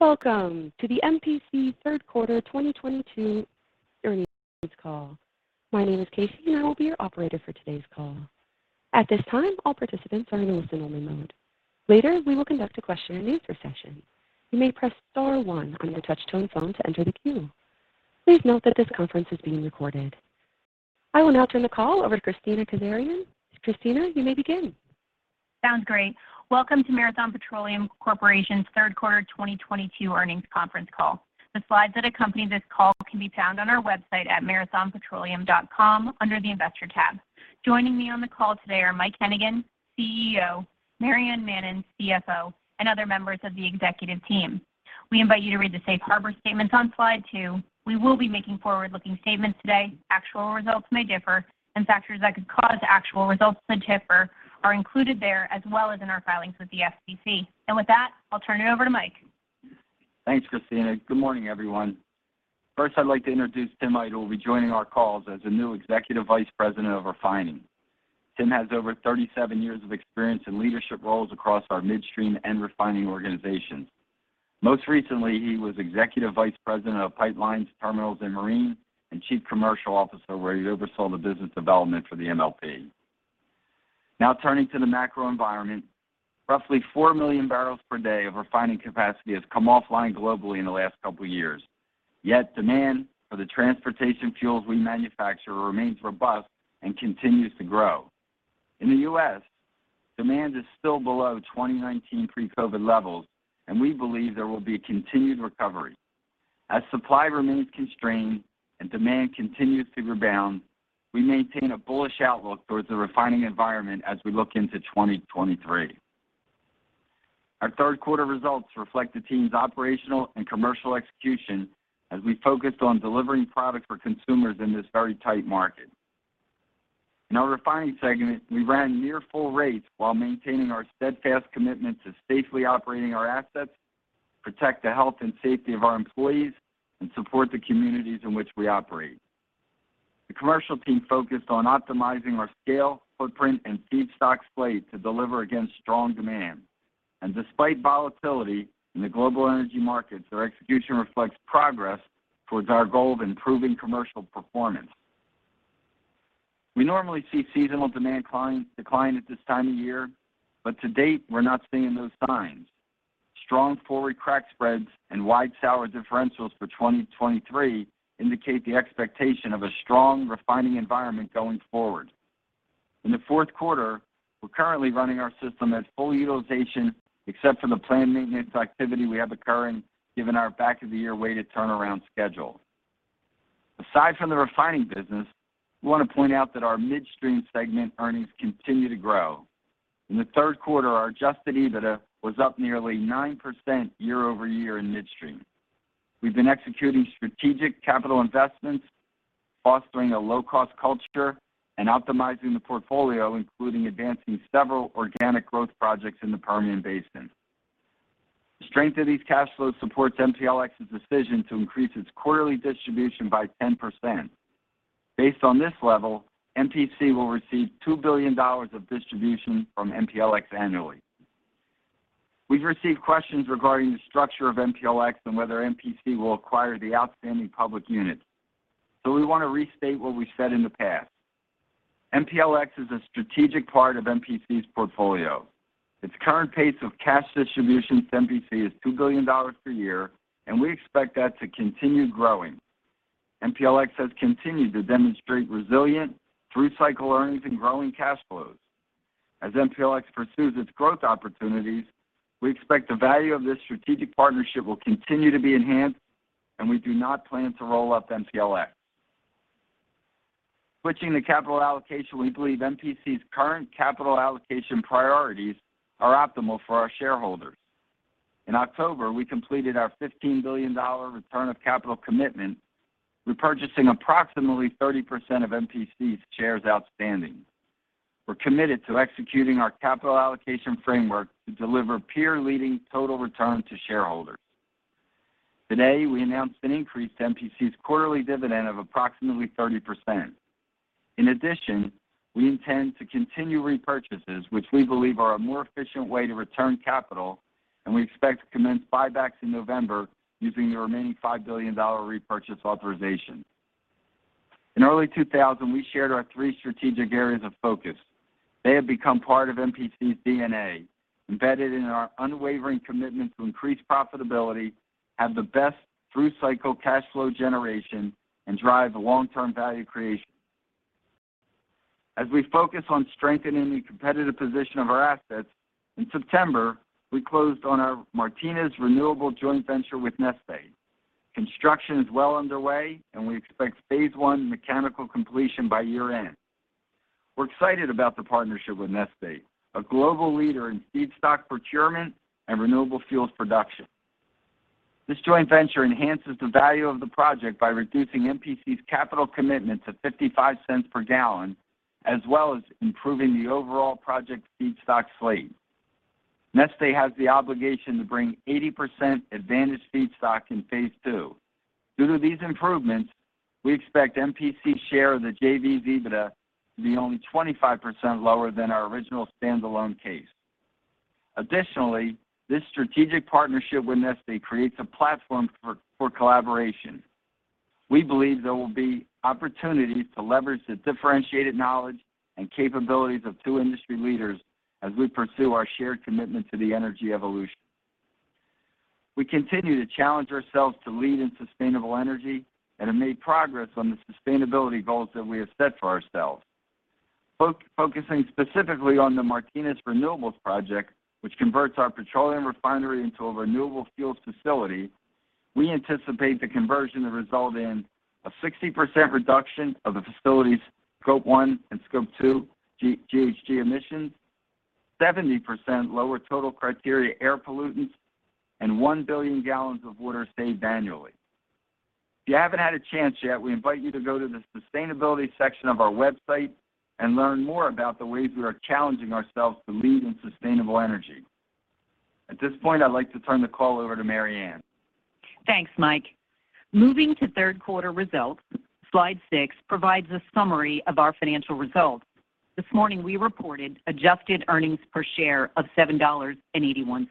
Welcome to the MPC third quarter 2022 earnings call. My name is Casey, and I will be your operator for today's call. At this time, all participants are in a listen-only mode. Later, we will conduct a question-and-answer session. You may press star one on your touch-tone phone to enter the queue. Please note that this conference is being recorded. I will now turn the call over to Kristina Kazarian. Kristina, you may begin. Sounds great. Welcome to Marathon Petroleum Corporation's third quarter 2022 earnings conference call. The slides that accompany this call can be found on our website at marathonpetroleum.com under the Investor tab. Joining me on the call today are Mike Hennigan, CEO, Maryann Mannen, CFO, and other members of the executive team. We invite you to read the safe harbor statements on slide two. We will be making forward-looking statements today. Actual results may differ, and factors that could cause actual results to differ are included there as well as in our filings with the SEC. With that, I'll turn it over to Mike. Thanks, Kristina. Good morning, everyone. First, I'd like to introduce Timothy Aydt, who will be joining our calls as the new Executive Vice President of Refining. Tim has over 37 years of experience in leadership roles across our midstream and refining organizations. Most recently, he was Executive Vice President of Pipelines, Terminals, and Marine, and Chief Commercial Officer, where he oversaw the business development for the MLP. Now turning to the macro environment. Roughly 4 million barrels per day of refining capacity has come offline globally in the last couple years. Yet demand for the transportation fuels we manufacture remains robust and continues to grow. In the U.S., demand is still below 2019 pre-COVID levels, and we believe there will be a continued recovery. As supply remains constrained and demand continues to rebound, we maintain a bullish outlook towards the refining environment as we look into 2023. Our third quarter results reflect the team's operational and commercial execution as we focused on delivering products for consumers in this very tight market. In our refining segment, we ran near full rates while maintaining our steadfast commitment to safely operating our assets, protect the health and safety of our employees, and support the communities in which we operate. The commercial team focused on optimizing our scale, footprint, and feedstock slate to deliver against strong demand. Despite volatility in the global energy markets, their execution reflects progress towards our goal of improving commercial performance. We normally see seasonal demand decline at this time of year, but to date, we're not seeing those signs. Strong forward crack spreads and wide sour differentials for 2023 indicate the expectation of a strong refining environment going forward. In the fourth quarter, we're currently running our system at full utilization, except for the planned maintenance activity we have occurring given our back-of-the-year weighted turnaround schedule. Aside from the refining business, we wanna point out that our midstream segment earnings continue to grow. In the third quarter, our adjusted EBITDA was up nearly 9% year-over-year in midstream. We've been executing strategic capital investments, fostering a low-cost culture, and optimizing the portfolio, including advancing several organic growth projects in the Permian Basin. The strength of these cash flows supports MPLX's decision to increase its quarterly distribution by 10%. Based on this level, MPC will receive $2 billion of distribution from MPLX annually. We've received questions regarding the structure of MPLX and whether MPC will acquire the outstanding public units. We wanna restate what we said in the past. MPLX is a strategic part of MPC's portfolio. Its current pace of cash distribution to MPC is $2 billion per year, and we expect that to continue growing. MPLX has continued to demonstrate resilient through-cycle earnings and growing cash flows. As MPLX pursues its growth opportunities, we expect the value of this strategic partnership will continue to be enhanced, and we do not plan to roll up MPLX. Switching to capital allocation, we believe MPC's current capital allocation priorities are optimal for our shareholders. In October, we completed our $15 billion return of capital commitment, repurchasing approximately 30% of MPC's shares outstanding. We're committed to executing our capital allocation framework to deliver peer-leading total return to shareholders. Today, we announced an increase to MPC's quarterly dividend of approximately 30%. In addition, we intend to continue repurchases, which we believe are a more efficient way to return capital, and we expect to commence buybacks in November using the remaining $5 billion repurchase authorization. In early 2000, we shared our three strategic areas of focus. They have become part of MPC's DNA, embedded in our unwavering commitment to increase profitability, have the best through-cycle cash flow generation, and drive long-term value creation. As we focus on strengthening the competitive position of our assets, in September, we closed on our Martinez Renewables joint venture with Neste. Construction is well underway, and we expect phase 1 mechanical completion by year-end. We're excited about the partnership with Neste, a global leader in feedstock procurement and renewable fuels production. This joint venture enhances the value of the project by reducing MPC's capital commitment to $0.55 per gallon, as well as improving the overall project feedstock slate. Neste has the obligation to bring 80% advantaged feedstock in phase two. Due to these improvements, we expect MPC share of the JV EBITDA to be only 25% lower than our original standalone case. Additionally, this strategic partnership with Neste creates a platform for collaboration. We believe there will be opportunities to leverage the differentiated knowledge and capabilities of two industry leaders as we pursue our shared commitment to the energy evolution. We continue to challenge ourselves to lead in sustainable energy and have made progress on the sustainability goals that we have set for ourselves. Focusing specifically on the Martinez Renewables project, which converts our petroleum refinery into a renewable fuels facility, we anticipate the conversion to result in a 60% reduction of the facility's scope one and scope two GHG emissions, 70% lower total criteria air pollutants, and 1 billion gallons of water saved annually. If you haven't had a chance yet, we invite you to go to the Sustainability section of our website and learn more about the ways we are challenging ourselves to lead in sustainable energy. At this point, I'd like to turn the call over to Maryann. Thanks, Mike. Moving to third quarter results, slide six provides a summary of our financial results. This morning, we reported adjusted earnings per share of $7.81.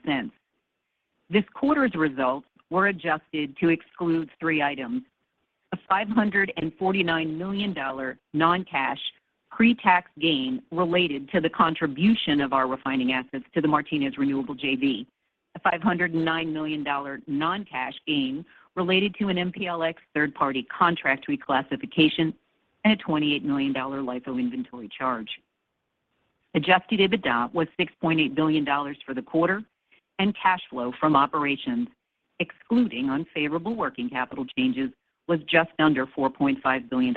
This quarter's results were adjusted to exclude three items: a $549 million non-cash pre-tax gain related to the contribution of our refining assets to the Martinez Renewables JV, a $509 million non-cash gain related to an MPLX third-party contract reclassification, and a $28 million LIFO inventory charge. Adjusted EBITDA was $6.8 billion for the quarter, and cash flow from operations, excluding unfavorable working capital changes, was just under $4.5 billion.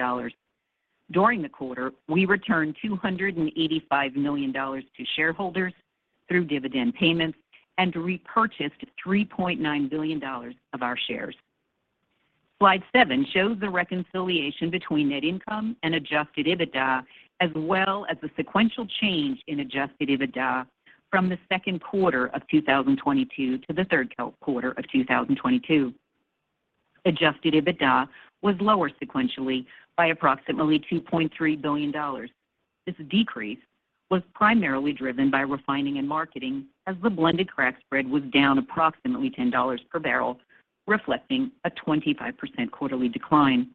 During the quarter, we returned $285 million to shareholders through dividend payments and repurchased $3.9 billion of our shares. Slide seven shows the reconciliation between net income and adjusted EBITDA, as well as the sequential change in adjusted EBITDA from the second quarter of 2022 to the third quarter of 2022. Adjusted EBITDA was lower sequentially by approximately $2.3 billion. This decrease was primarily driven by refining and marketing as the blended crack spread was down approximately $10 per barrel, reflecting a 25% quarterly decline.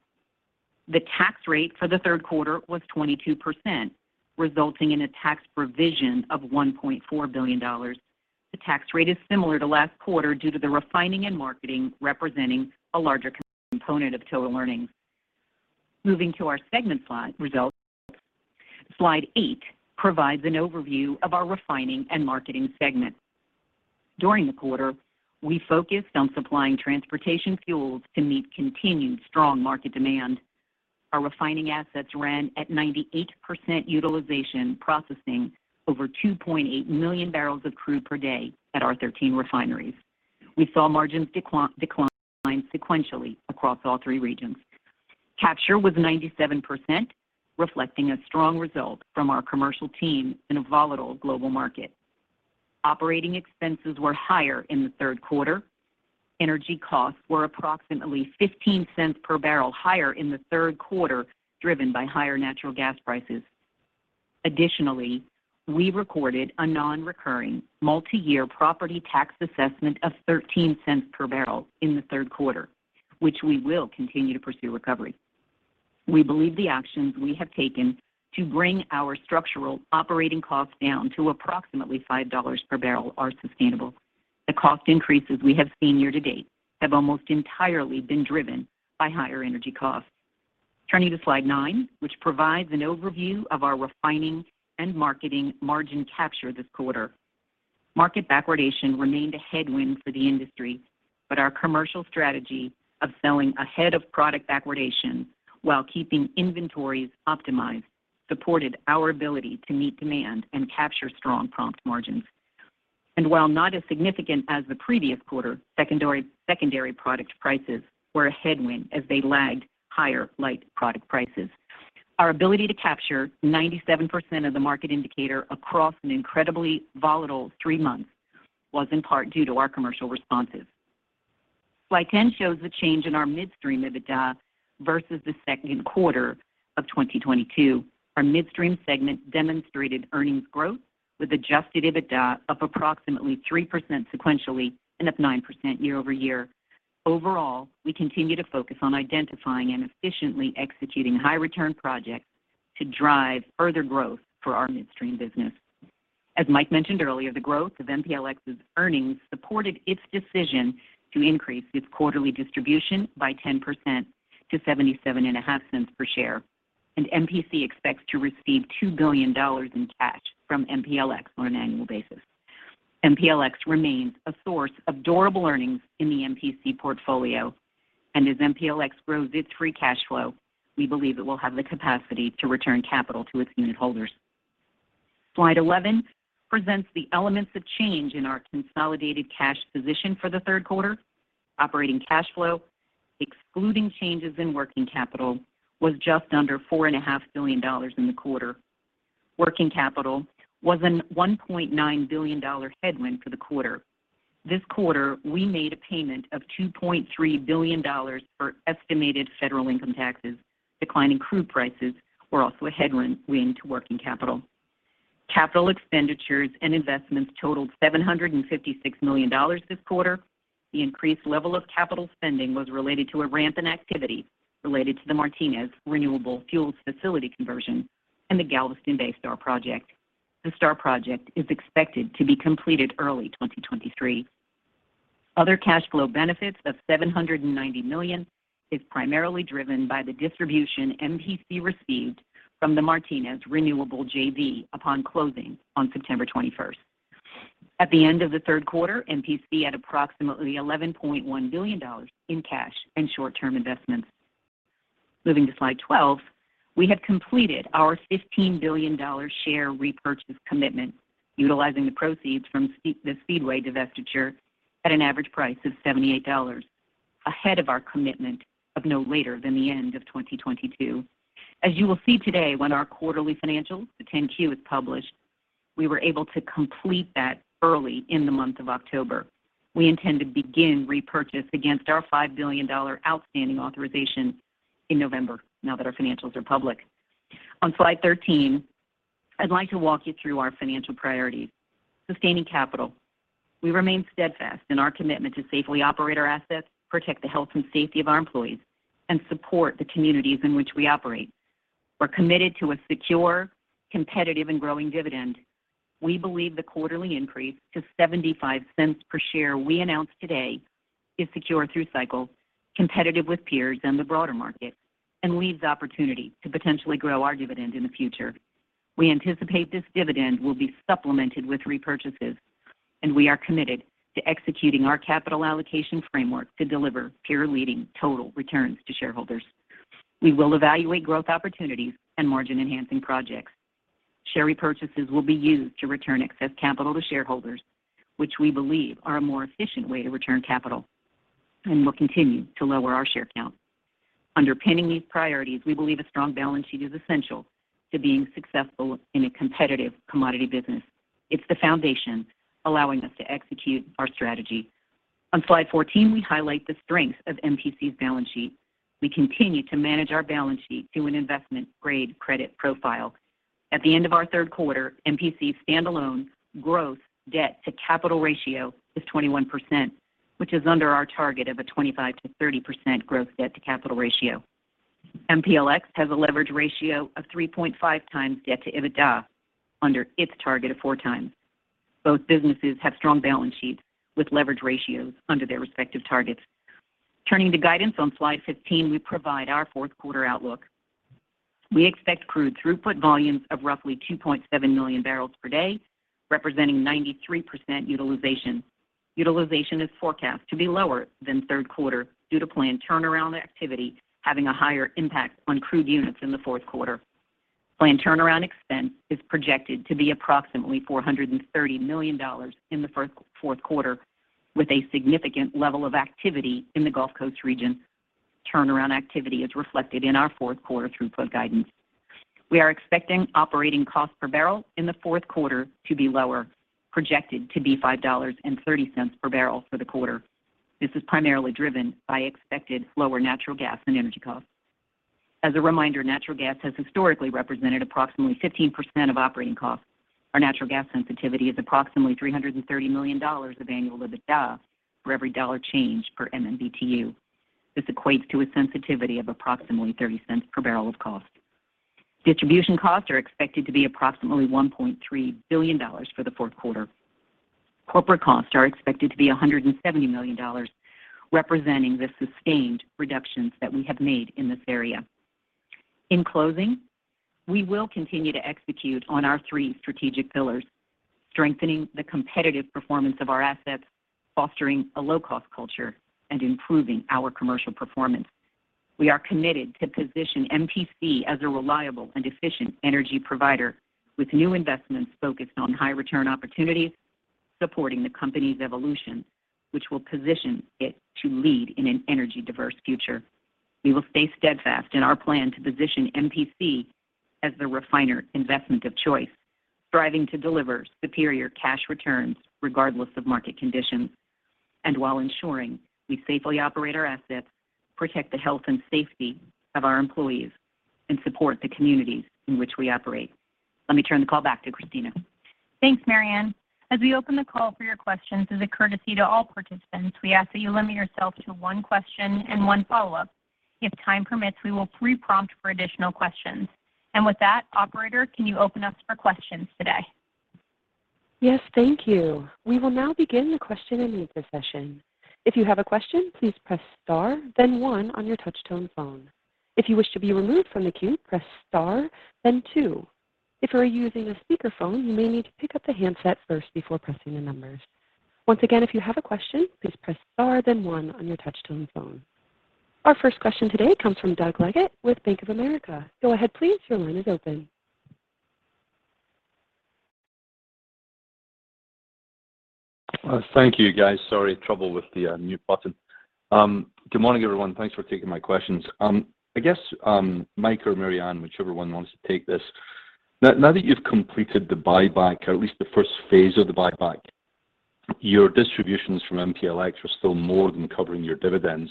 The tax rate for the third quarter was 22%, resulting in a tax provision of $1.4 billion. The tax rate is similar to last quarter due to the refining and marketing representing a larger component of total earnings. Moving to our segment slide results. Slide eight provides an overview of our refining and marketing segment. During the quarter, we focused on supplying transportation fuels to meet continued strong market demand. Our refining assets ran at 98% utilization, processing over 2.8 million barrels of crude per day at our 13 refineries. We saw margins decline sequentially across all three regions. Capture was 97%, reflecting a strong result from our commercial team in a volatile global market. Operating expenses were higher in the third quarter. Energy costs were approximately 15 cents per barrel higher in the third quarter, driven by higher natural gas prices. Additionally, we recorded a non-recurring multi-year property tax assessment of 13 cents per barrel in the third quarter, which we will continue to pursue recovery. We believe the actions we have taken to bring our structural operating costs down to approximately $5 per barrel are sustainable. The cost increases we have seen year to date have almost entirely been driven by higher energy costs. Turning to slide nine, which provides an overview of our refining and marketing margin capture this quarter. Market backwardation remained a headwind for the industry, but our commercial strategy of selling ahead of product backwardation while keeping inventories optimized, supported our ability to meet demand and capture strong prompt margins. While not as significant as the previous quarter, secondary product prices were a headwind as they lagged higher light product prices. Our ability to capture 97% of the market indicator across an incredibly volatile three months was in part due to our commercial responses. Slide 10 shows the change in our midstream EBITDA versus the second quarter of 2022. Our midstream segment demonstrated earnings growth with adjusted EBITDA up approximately 3% sequentially and up 9% year-over-year. Overall, we continue to focus on identifying and efficiently executing high return projects to drive further growth for our midstream business. As Mike mentioned earlier, the growth of MPLX's earnings supported its decision to increase its quarterly distribution by 10% to $0.775 per share, and MPC expects to receive $2 billion in cash from MPLX on an annual basis. MPLX remains a source of durable earnings in the MPC portfolio. MPLX grows its free cash flow, we believe it will have the capacity to return capital to its unitholders. Slide 11 presents the elements of change in our consolidated cash position for the third quarter. Operating cash flow, excluding changes in working capital, was just under $4.5 billion in the quarter. Working capital was a $1.9 billion headwind for the quarter. This quarter, we made a payment of $2.3 billion for estimated federal income taxes. Declining crude prices were also a headwind to working capital. Capital expenditures and investments totaled $756 million this quarter. The increased level of capital spending was related to a ramp in activity related to the Martinez Renewables facility conversion and the Galveston Bay STAR Program. The STAR Program is expected to be completed early 2023. Other cash flow benefits of $790 million is primarily driven by the distribution MPC received from the Martinez Renewables JV upon closing on September 21. At the end of the third quarter, MPC had approximately $11.1 billion in cash and short-term investments. Moving to slide 12. We have completed our $15 billion share repurchase commitment utilizing the proceeds from Speedway, the Speedway divestiture at an average price of $78 ahead of our commitment of no later than the end of 2022. As you will see today, when our quarterly financials, the 10-Q, is published, we were able to complete that early in the month of October. We intend to begin repurchase against our $5 billion outstanding authorization in November now that our financials are public. On slide 13, I'd like to walk you through our financial priorities. Sustaining capital. We remain steadfast in our commitment to safely operate our assets, protect the health and safety of our employees, and support the communities in which we operate. We're committed to a secure, competitive, and growing dividend. We believe the quarterly increase to $0.75 per share we announced today is secure through cycle, competitive with peers and the broader market, and leaves opportunity to potentially grow our dividend in the future. We anticipate this dividend will be supplemented with repurchases, and we are committed to executing our capital allocation framework to deliver peer-leading total returns to shareholders. We will evaluate growth opportunities and margin-enhancing projects. Share repurchases will be used to return excess capital to shareholders, which we believe are a more efficient way to return capital and will continue to lower our share count. Underpinning these priorities, we believe a strong balance sheet is essential to being successful in a competitive commodity business. It's the foundation allowing us to execute our strategy. On slide 14, we highlight the strength of MPC's balance sheet. We continue to manage our balance sheet to an investment-grade credit profile. At the end of our third quarter, MPC's standalone growth debt-to-capital ratio is 21%, which is under our target of a 25%-30% growth debt-to-capital ratio. MPLX has a leverage ratio of 3.5x debt to EBITDA under its target of 4x. Both businesses have strong balance sheets with leverage ratios under their respective targets. Turning to guidance on Slide 15, we provide our fourth quarter outlook. We expect crude throughput volumes of roughly 2.7 million barrels per day, representing 93% utilization. Utilization is forecast to be lower than third quarter due to planned turnaround activity having a higher impact on crude units in the fourth quarter. Planned turnaround expense is projected to be approximately $430 million in the fourth quarter, with a significant level of activity in the Gulf Coast region. Turnaround activity is reflected in our fourth quarter throughput guidance. We are expecting operating costs per barrel in the fourth quarter to be lower, projected to be $5.30 per barrel for the quarter. This is primarily driven by expected lower natural gas and energy costs. As a reminder, natural gas has historically represented approximately 15% of operating costs. Our natural gas sensitivity is approximately $330 million of annual EBITDA for every $1 change per MMBtu. This equates to a sensitivity of approximately $0.30 per barrel of cost. Distribution costs are expected to be approximately $1.3 billion for the fourth quarter. Corporate costs are expected to be $170 million, representing the sustained reductions that we have made in this area. In closing, we will continue to execute on our three strategic pillars, strengthening the competitive performance of our assets, fostering a low-cost culture, and improving our commercial performance. We are committed to position MPC as a reliable and efficient energy provider with new investments focused on high return opportunities supporting the company's evolution, which will position it to lead in an energy-diverse future. We will stay steadfast in our plan to position MPC as the refiner investment of choice, striving to deliver superior cash returns regardless of market conditions, and while ensuring we safely operate our assets, protect the health and safety of our employees, and support the communities in which we operate. Let me turn the call back to Kristina. Thanks, Maryann. As we open the call for your questions, as a courtesy to all participants, we ask that you limit yourself to one question and one follow-up. If time permits, we will pre-prompt for additional questions. With that, operator, can you open us for questions today? Yes. Thank you. We will now begin the question-and-answer session. If you have a question, please press star then one on your touch-tone phone. If you wish to be removed from the queue, press star then two. If you are using a speakerphone, you may need to pick up the handset first before pressing the numbers. Once again, if you have a question, please press star then one on your touch-tone phone. Our first question today comes from Doug Leggate with Bank of America. Go ahead, please. Your line is open. Thank you, guys. Sorry, trouble with the mute button. Good morning, everyone. Thanks for taking my questions. I guess Mike or Maryann, whichever one wants to take this. Now that you've completed the buyback or at least the first phase of the buyback, your distributions from MPLX are still more than covering your dividend.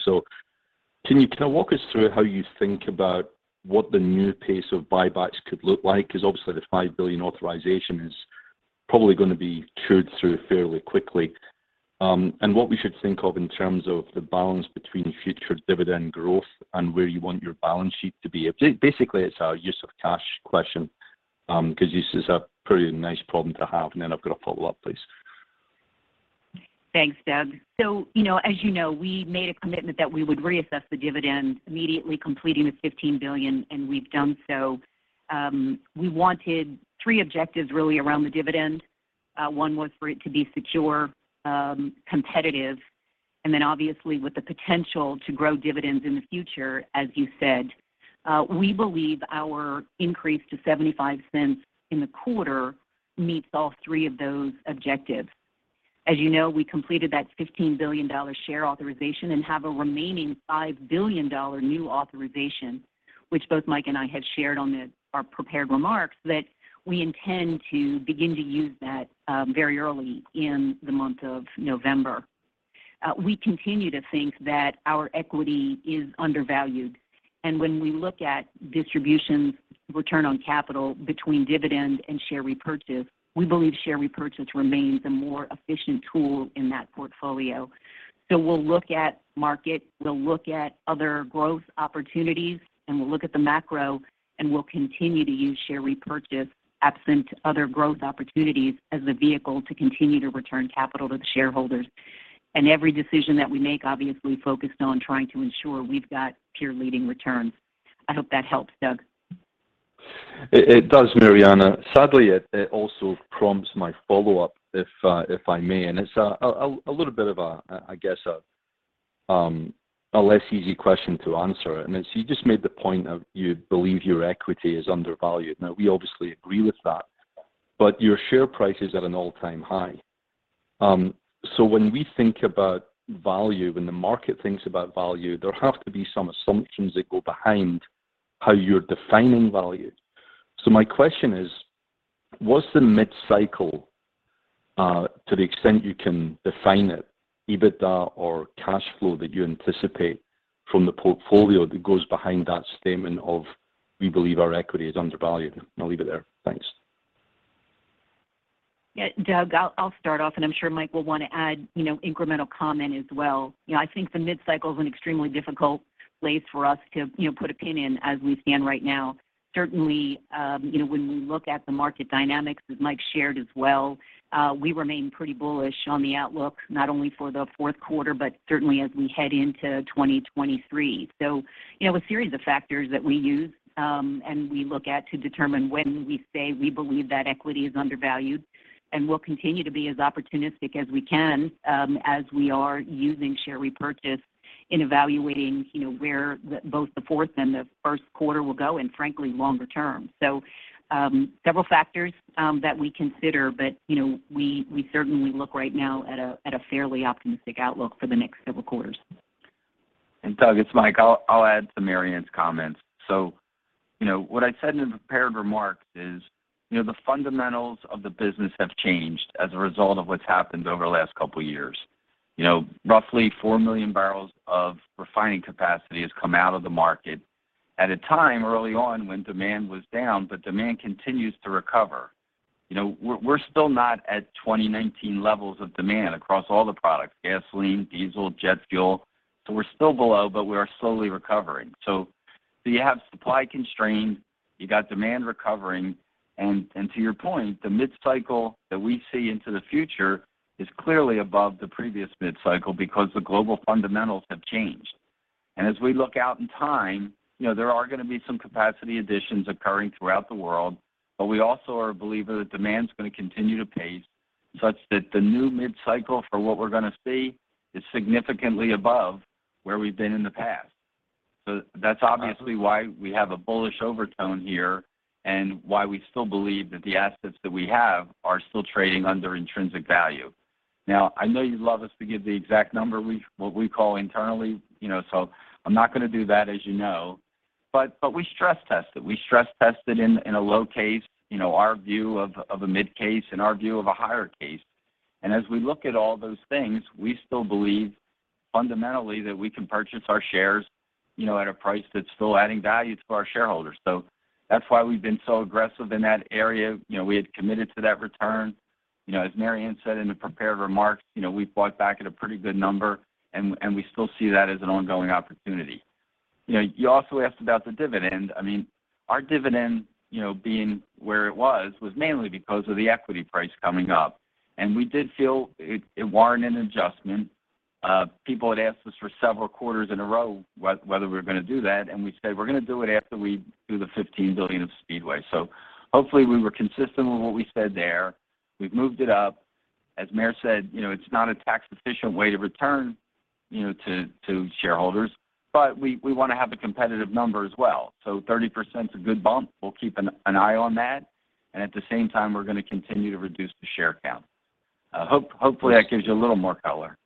Can you kinda walk us through how you think about what the new pace of buybacks could look like? 'Cause obviously, the $5 billion authorization is probably gonna be chewed through fairly quickly. And what we should think of in terms of the balance between future dividend growth and where you want your balance sheet to be. Basically, it's a use of cash question, 'cause this is a pretty nice problem to have. Then I've got a follow-up, please. Thanks, Doug. You know, as you know, we made a commitment that we would reassess the dividend immediately completing the $15 billion, and we've done so. We wanted three objectives really around the dividend. One was for it to be secure, competitive, and then obviously with the potential to grow dividends in the future, as you said. We believe our increase to $0.75 in the quarter meets all three of those objectives. As you know, we completed that $15 billion share authorization and have a remaining $5 billion new authorization, which both Mike and I had shared on our prepared remarks, that we intend to begin to use that very early in the month of November. We continue to think that our equity is undervalued. When we look at distributions return on capital between dividends and share repurchase, we believe share repurchase remains a more efficient tool in that portfolio. We'll look at market, we'll look at other growth opportunities, and we'll look at the macro, and we'll continue to use share repurchase absent other growth opportunities as the vehicle to continue to return capital to the shareholders. Every decision that we make obviously focused on trying to ensure we've got peer leading returns. I hope that helps, Doug. It does, Maryann. Sadly, it also prompts my follow-up, if I may, and it's a little bit of a, I guess, a less easy question to answer. You just made the point that you believe your equity is undervalued. Now we obviously agree with that. Your share price is at an all-time high. When we think about value, when the market thinks about value, there have to be some assumptions that go behind how you're defining value. My question is, what's the mid-cycle, to the extent you can define it, EBITDA or cash flow that you anticipate from the portfolio that goes behind that statement of, "We believe our equity is undervalued." I'll leave it there. Thanks. Yeah. Doug, I'll start off, and I'm sure Mike will wanna add, you know, incremental comment as well. You know, I think the mid-cycle is an extremely difficult place for us to, you know, put a pin in as we stand right now. Certainly, you know, when we look at the market dynamics that Mike shared as well, we remain pretty bullish on the outlook, not only for the fourth quarter, but certainly as we head into 2023. You know, a series of factors that we use, and we look at to determine when we say we believe that equity is undervalued and we'll continue to be as opportunistic as we can, as we are using share repurchase in evaluating, you know, where both the fourth and the first quarter will go, and frankly, longer term. Several factors that we consider, but, you know, we certainly look right now at a fairly optimistic outlook for the next several quarters. Doug, it's Mike. I'll add to Maryann's comments. You know, what I said in the prepared remarks is, you know, the fundamentals of the business have changed as a result of what's happened over the last couple years. You know, roughly 4 million barrels of refining capacity has come out of the market at a time early on when demand was down, but demand continues to recover. You know, we're still not at 2019 levels of demand across all the products, gasoline, diesel, jet fuel. We're still below, but we are slowly recovering. You have supply constrained, you got demand recovering. To your point, the mid-cycle that we see into the future is clearly above the previous mid-cycle because the global fundamentals have changed. As we look out in time, you know, there are gonna be some capacity additions occurring throughout the world, but we also are a believer that demand's gonna continue to pace such that the new mid-cycle for what we're gonna see is significantly above where we've been in the past. That's obviously why we have a bullish overtone here and why we still believe that the assets that we have are still trading under intrinsic value. Now, I know you'd love us to give the exact number what we call internally, you know, so I'm not gonna do that, as you know. But we stress test it. We stress test it in a low case, you know, our view of a mid-case and our view of a higher case. As we look at all those things, we still believe fundamentally that we can purchase our shares, you know, at a price that's still adding value to our shareholders. That's why we've been so aggressive in that area. You know, we had committed to that return. You know, as Maryann said in the prepared remarks, you know, we've bought back at a pretty good number and we still see that as an ongoing opportunity. You know, you also asked about the dividend. I mean, our dividend, you know, being where it was mainly because of the equity price coming up. We did feel it warranted an adjustment. People had asked us for several quarters in a row whether we're gonna do that, and we said, we're gonna do it after we do the $15 billion of Speedway. Hopefully, we were consistent with what we said there. We've moved it up. As Mare said, you know, it's not a tax-efficient way to return you know, to shareholders, but we wanna have a competitive number as well. 30%'s a good bump. We'll keep an eye on that, and at the same time, we're gonna continue to reduce the share count. Hopefully that gives you a little more color.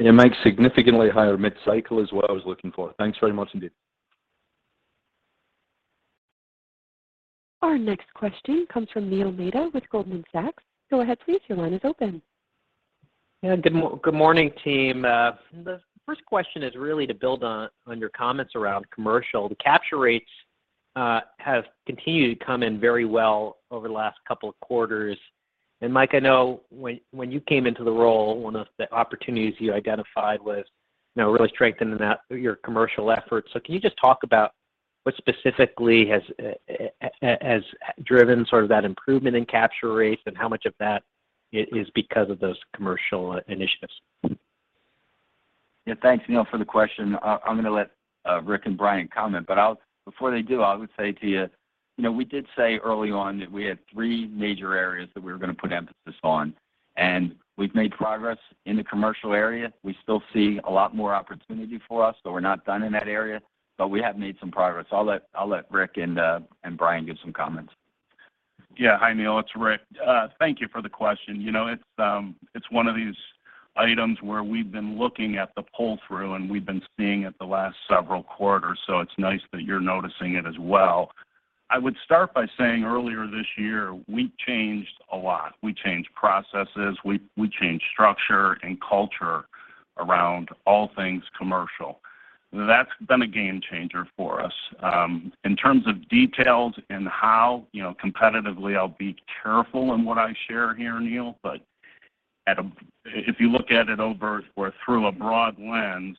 Your mix significantly higher mid-cycle is what I was looking for. Thanks very much indeed. Our next question comes from Neil Mehta with Goldman Sachs. Go ahead, please. Your line is open. Yeah. Good morning, team. The first question is really to build on your comments around commercial. The capture rates have continued to come in very well over the last couple of quarters. Mike, I know when you came into the role, one of the opportunities you identified was, you know, really strengthening that your commercial efforts. Can you just talk about what specifically has driven sort of that improvement in capture rates and how much of that is because of those commercial initiatives? Yeah. Thanks, Neil, for the question. I'm gonna let Rick and Brian comment, but before they do, I would say to you know, we did say early on that we had three major areas that we were gonna put emphasis on, and we've made progress in the commercial area. We still see a lot more opportunity for us, so we're not done in that area, but we have made some progress. I'll let Rick and Brian give some comments. Yeah. Hi, Neil. It's Rick. Thank you for the question. You know, it's one of these items where we've been looking at the pull-through and we've been seeing it the last several quarters, so it's nice that you're noticing it as well. I would start by saying earlier this year, we changed a lot. We changed processes. We changed structure and culture around all things commercial. That's been a game changer for us. In terms of details and how, you know, competitively, I'll be careful in what I share here, Neil, but if you look at it over or through a broad lens,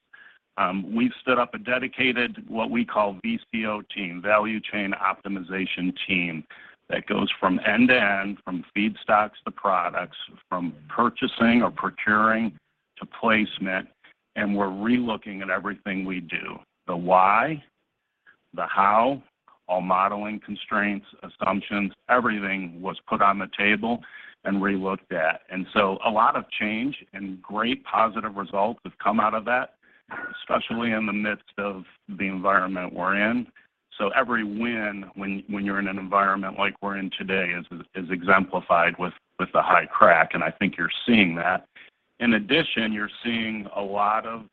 we've stood up a dedicated what we call VCO team, value chain optimization team, that goes from end to end, from feedstocks to products, from purchasing or procuring to placement, and we're re-looking at everything we do. The why, the how, all modeling constraints, assumptions, everything was put on the table and re-looked at. A lot of change and great positive results have come out of that, especially in the midst of the environment we're in. Every win when you're in an environment like we're in today is exemplified with a high crack, and I think you're seeing that. In addition, you're seeing a lot of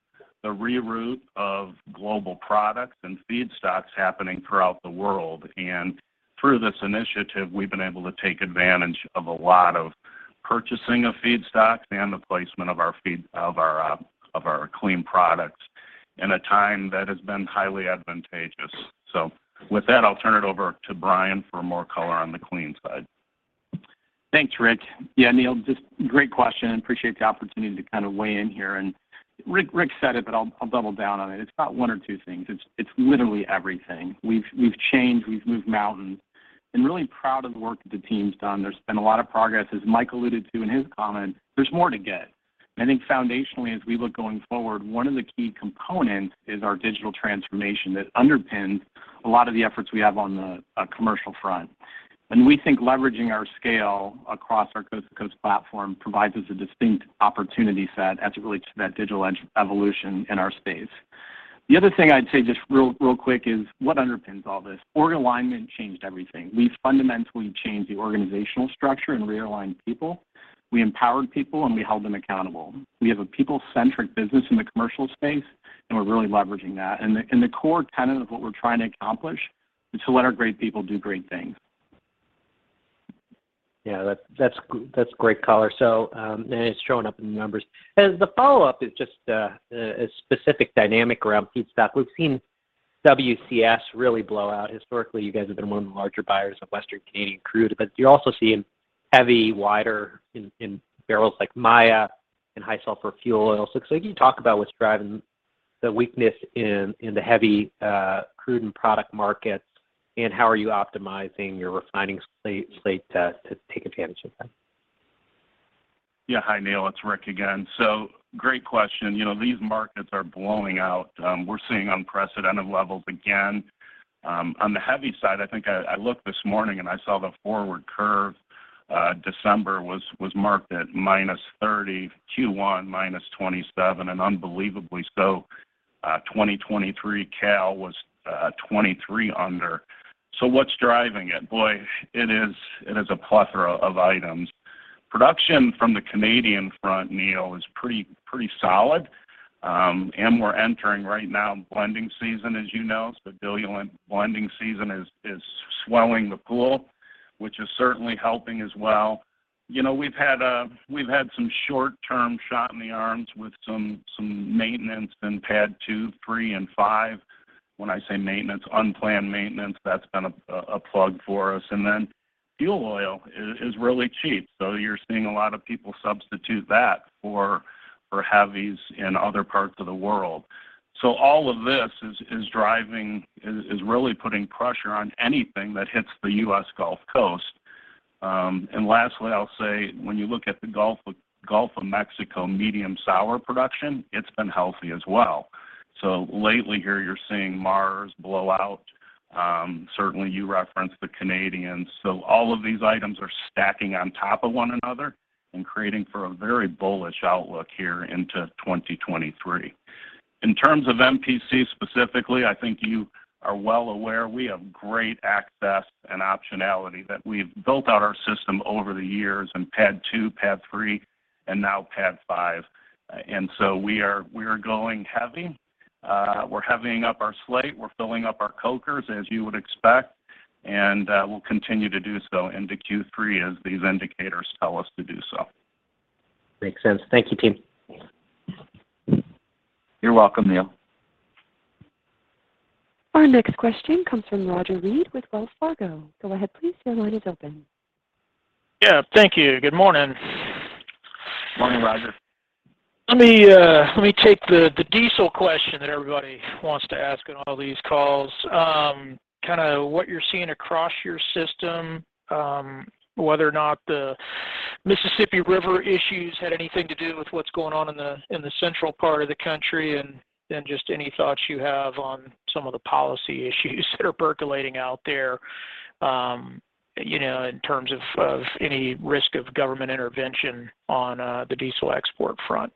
the reroute of global products and feedstocks happening throughout the world. Through this initiative, we've been able to take advantage of a lot of purchasing of feedstocks and the placement of our clean products in a time that has been highly advantageous. With that, I'll turn it over to Brian for more color on the clean side. Thanks, Rick. Yeah, Neil, just great question. Appreciate the opportunity to kind of weigh in here. Rick said it, but I'll double down on it. It's not one or two things. It's literally everything. We've changed, we've moved mountains, and really proud of the work that the team's done. There's been a lot of progress. As Mike alluded to in his comment, there's more to get. I think foundationally, as we look going forward, one of the key components is our digital transformation that underpins a lot of the efforts we have on the commercial front. We think leveraging our scale across our coast to coast platform provides us a distinct opportunity set as it relates to that digital evolution in our space. The other thing I'd say just real quick is what underpins all this? Org alignment changed everything. We fundamentally changed the organizational structure and realigned people. We empowered people, and we held them accountable. We have a people-centric business in the commercial space, and we're really leveraging that. The core tenet of what we're trying to accomplish is to let our great people do great things. Yeah. That's great color. It's showing up in the numbers. As the follow-up is just a specific dynamic around feedstock. We've seen WCS really blow out. Historically, you guys have been one of the larger buyers of Western Canadian crude, but you're also seeing heavies wider in barrels like Maya and high sulfur fuel oil. Can you talk about what's driving the weakness in the heavy crude and product markets, and how are you optimizing your refining slate to take advantage of that? Yeah. Hi, Neil. It's Rick again. Great question. You know, these markets are blowing out. We're seeing unprecedented levels again. On the heavy side, I think I looked this morning, and I saw the forward curve, December was marked at -30, Q1 -27, and unbelievably so, 2023 cal was 23 under. What's driving it? Boy, it is a plethora of items. Production from the Canadian front, Neil, is pretty solid, and we're entering right now blending season, as you know. Diluent blending season is swelling the pool, which is certainly helping as well. You know, we've had some short-term shot in the arms with some maintenance in PADD 2, 3, and 5. When I say maintenance, unplanned maintenance, that's been a plug for us. Fuel oil is really cheap, so you're seeing a lot of people substitute that for heavies in other parts of the world. All of this is really putting pressure on anything that hits the U.S. Gulf Coast. Lastly, I'll say when you look at the Gulf of Mexico medium sour production, it's been healthy as well. Lately here you're seeing Mars blow out. Certainly you referenced the Canadians. All of these items are stacking on top of one another and creating for a very bullish outlook here into 2023. In terms of MPC specifically, I think you are well aware we have great access and optionality that we've built out our system over the years in PADD 2, PADD 3, and now PADD 5. We are going heavy. We're heavying up our slate. We're filling up our cokers as you would expect, and we'll continue to do so into Q3 as these indicators tell us to do so. Makes sense. Thank you, team. You're welcome, Neil. Our next question comes from Roger Read with Wells Fargo. Go ahead please, your line is open. Yeah, thank you. Good morning. Morning, Roger. Let me take the diesel question that everybody wants to ask on all these calls. Kind of what you're seeing across your system, whether or not the Mississippi River issues had anything to do with what's going on in the central part of the country, and just any thoughts you have on some of the policy issues that are percolating out there, you know, in terms of any risk of government intervention on the diesel export front.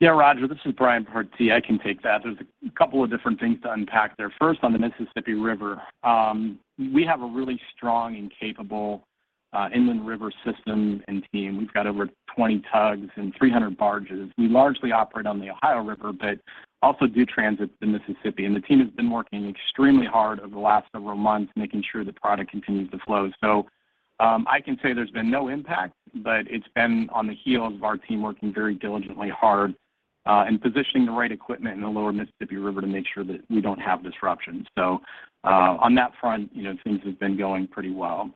Yeah, Roger, this is Brian K. Partee. I can take that. There's a couple of different things to unpack there. First, on the Mississippi River, we have a really strong and capable inland river system and team. We've got over 20 tugs and 300 barges. We largely operate on the Ohio River, but also do transits in Mississippi. The team has been working extremely hard over the last several months making sure the product continues to flow. I can say there's been no impact, but it's been on the heels of our team working very diligently hard and positioning the right equipment in the lower Mississippi River to make sure that we don't have disruptions. On that front, you know, things have been going pretty well.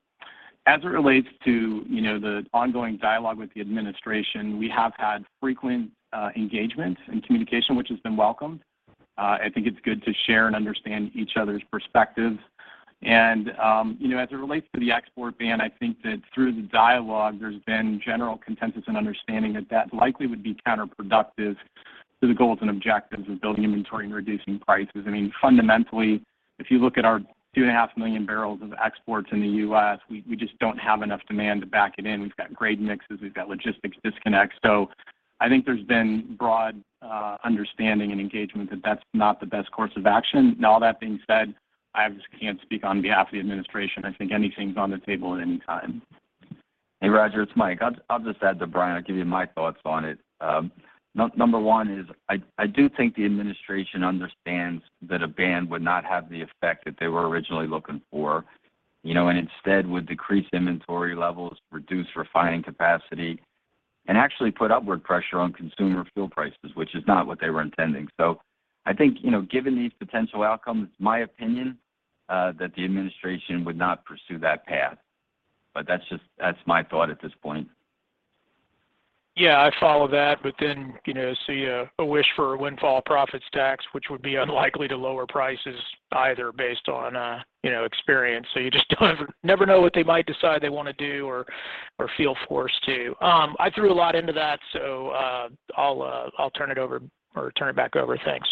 As it relates to, you know, the ongoing dialogue with the administration, we have had frequent engagement and communication, which has been welcomed. I think it's good to share and understand each other's perspectives. You know, as it relates to the export ban, I think that through the dialogue there's been general consensus and understanding that that likely would be counterproductive to the goals and objectives of building inventory and reducing prices. I mean, fundamentally, if you look at our 2.5 million barrels of exports in the U.S., we just don't have enough demand to back it in. We've got grade mixes, we've got logistics disconnects. I think there's been broad understanding and engagement that that's not the best course of action. Now, all that being said, I just can't speak on behalf of the administration. I think anything's on the table at any time. Hey Roger, it's Mike. I'll just add to Brian. I'll give you my thoughts on it. Number one is I do think the administration understands that a ban would not have the effect that they were originally looking for, you know, and instead would decrease inventory levels, reduce refining capacity, and actually put upward pressure on consumer fuel prices, which is not what they were intending. I think, you know, given these potential outcomes, my opinion, that the administration would not pursue that path. That's just my thought at this point. Yeah, I follow that, but then see a wish for a windfall profits tax, which would be unlikely to lower prices either based on experience. You just don't ever never know what they might decide they want to do or feel forced to. I threw a lot into that, so I'll turn it over or turn it back over. Thanks.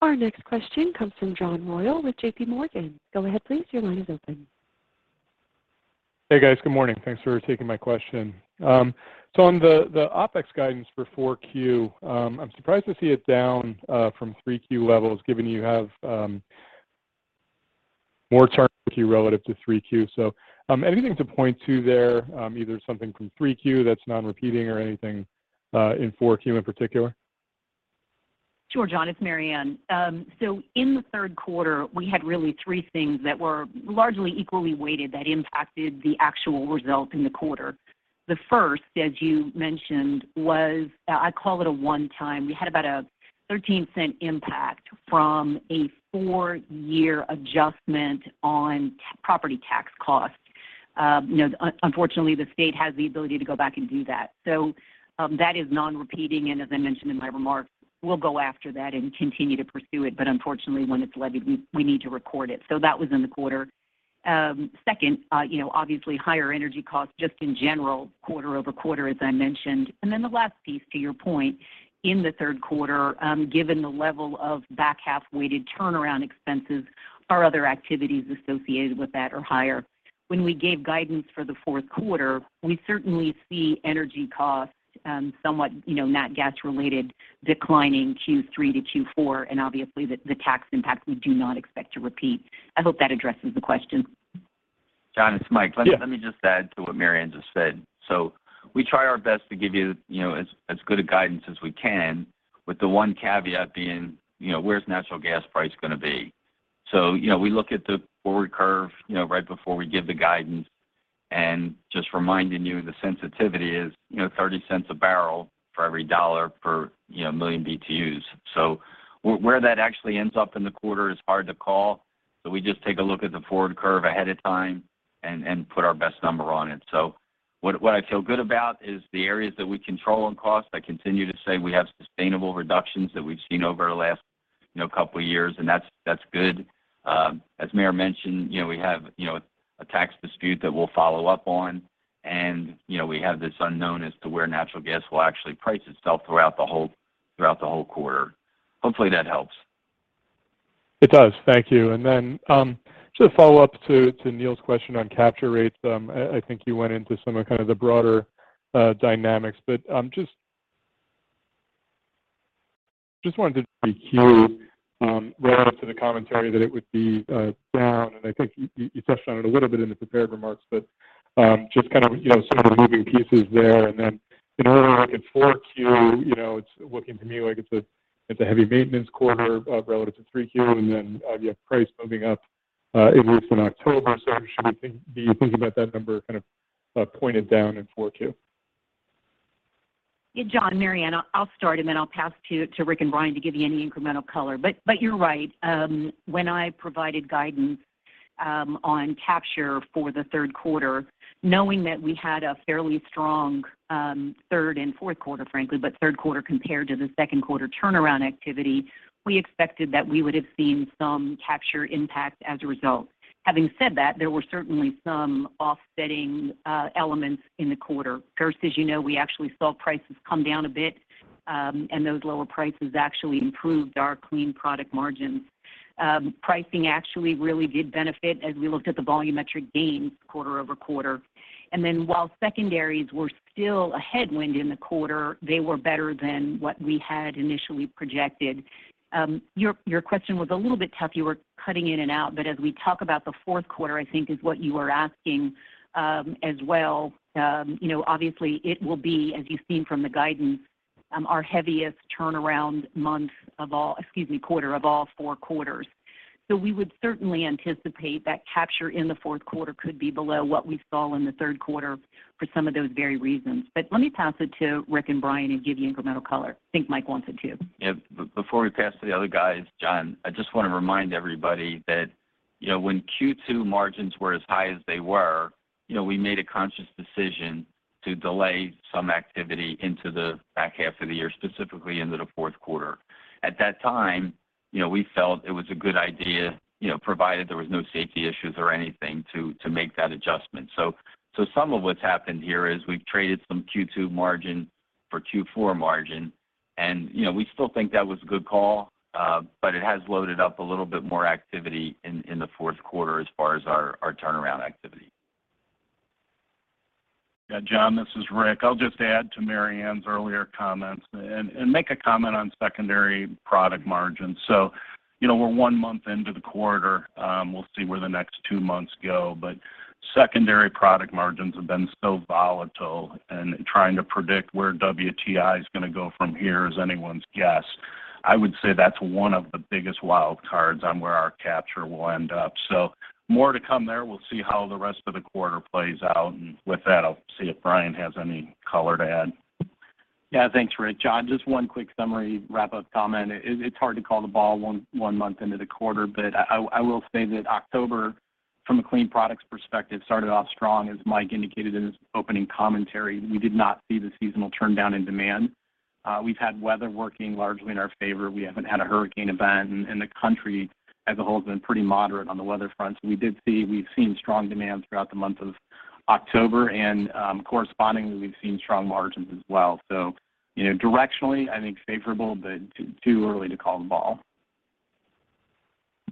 Our next question comes from John Royall with JPMorgan. Go ahead please, your line is open. Hey guys, good morning. Thanks for taking my question. On the OpEx guidance for 4Q, I'm surprised to see it down from 3Q levels given you have more turnaround relative to 3Q. Anything to point to there, either something from 3Q that's non-recurring or anything in 4Q in particular? Sure, John, it's Maryann. In the third quarter, we had really three things that were largely equally weighted that impacted the actual result in the quarter. The first, as you mentioned, was. I call it a one-time. We had about a $0.13 impact from a four-year adjustment on property tax costs. You know, unfortunately, the state has the ability to go back and do that. That is non-repeating, and as I mentioned in my remarks, we'll go after that and continue to pursue it, but unfortunately when it's levied we need to record it. That was in the quarter. Second, you know, obviously higher energy costs just in general quarter-over-quarter, as I mentioned. The last piece to your point, in the third quarter, given the level of back half-weighted turnaround expenses, our other activities associated with that are higher. When we gave guidance for the fourth quarter, we certainly see energy costs, somewhat, you know, natural gas-related declining Q3 to Q4, and obviously the tax impact we do not expect to repeat. I hope that addresses the question. John, it's Mike. Yeah. Let me just add to what Maryann just said. We try our best to give you know, as good a guidance as we can with the one caveat being, you know, where's natural gas price gonna be? We look at the forward curve, you know, right before we give the guidance and just reminding you the sensitivity is, you know, 30 cents a barrel for every $1 per MMBtu. Where that actually ends up in the quarter is hard to call, so we just take a look at the forward curve ahead of time and put our best number on it. What I feel good about is the areas that we control on cost. I continue to say we have sustainable reductions that we've seen over our last You know, a couple years, and that's good. As Maryann mentioned, you know, we have, you know, a tax dispute that we'll follow up on, and, you know, we have this unknown as to where natural gas will actually price itself throughout the whole quarter. Hopefully, that helps. It does. Thank you. Just a follow-up to Neil's question on capture rates. I think you went into some of kind of the broader dynamics, but I'm just wanted to be clear relative to the commentary that it would be down, and I think you touched on it a little bit in the prepared remarks, but just kind of, you know, some of the moving pieces there. In order to look at 4Q, you know, it's looking to me like it's a heavy maintenance quarter relative to 3Q, and then you have price moving up at least in October. Should we be thinking about that number kind of pointed down in 4Q? Yeah, John, Maryann. I'll start, and then I'll pass to Rick and Brian to give you any incremental color. You're right. When I provided guidance on capture for the third quarter, knowing that we had a fairly strong third and fourth quarter, frankly, but third quarter compared to the second quarter turnaround activity, we expected that we would have seen some capture impact as a result. Having said that, there were certainly some offsetting elements in the quarter. First, as you know, we actually saw prices come down a bit, and those lower prices actually improved our clean product margins. Pricing actually really did benefit as we looked at the volumetric gains quarter-over-quarter. Then while secondaries were still a headwind in the quarter, they were better than what we had initially projected. Your question was a little bit tough. You were cutting in and out. As we talk about the fourth quarter, I think is what you were asking, as well, you know, obviously it will be, as you've seen from the guidance, our heaviest turnaround quarter of all four quarters. We would certainly anticipate that capture in the fourth quarter could be below what we saw in the third quarter for some of those very reasons. Let me pass it to Rick and Brian and give you incremental color. I think Mike wants it, too. Yep. Before we pass to the other guys, John, I just wanna remind everybody that, you know, when Q2 margins were as high as they were, you know, we made a conscious decision to delay some activity into the back half of the year, specifically into the fourth quarter. At that time, you know, we felt it was a good idea, you know, provided there was no safety issues or anything, to make that adjustment. Some of what's happened here is we've traded some Q2 margin for Q4 margin and, you know, we still think that was a good call, but it has loaded up a little bit more activity in the fourth quarter as far as our turnaround activity. Yeah, John, this is Rick. I'll just add to Maryann's earlier comments and make a comment on secondary product margins. You know, we're one month into the quarter. We'll see where the next two months go, but secondary product margins have been so volatile, and trying to predict where WTI is gonna go from here is anyone's guess. I would say that's one of the biggest wild cards on where our capture will end up. More to come there. We'll see how the rest of the quarter plays out, and with that, I'll see if Brian has any color to add. Yeah. Thanks, Rick. John, just one quick summary wrap-up comment. It's hard to call the ball one month into the quarter, but I will say that October, from a clean products perspective, started off strong, as Mike indicated in his opening commentary. We did not see the seasonal turn down in demand. We've had weather working largely in our favor. We haven't had a hurricane event, and the country as a whole has been pretty moderate on the weather front. We've seen strong demand throughout the month of October and, correspondingly, we've seen strong margins as well. You know, directionally, I think favorable, but too early to call the ball.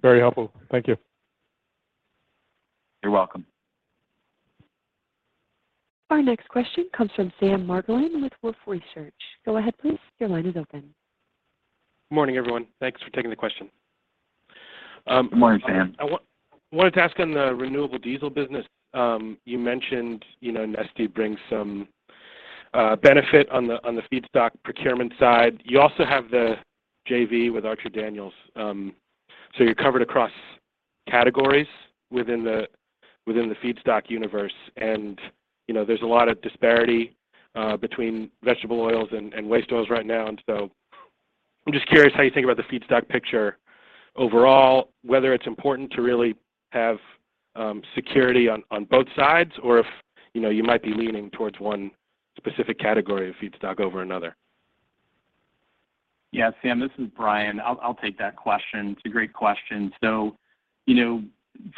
Very helpful. Thank you. You're welcome. Our next question comes from Sam Margolin with Wolfe Research. Go ahead please. Your line is open. Morning, everyone. Thanks for taking the question. Good morning, Sam. I wanted to ask on the renewable diesel business. You mentioned, you know, Neste brings some benefit on the feedstock procurement side. You also have the JV with Archer-Daniels-Midland, so you're covered across categories within the feedstock universe. You know, there's a lot of disparity between vegetable oils and waste oils right now. I'm just curious how you think about the feedstock picture overall, whether it's important to really have security on both sides or if, you know, you might be leaning towards one specific category of feedstock over another. Yeah. Sam, this is Brian. I'll take that question. It's a great question. You know,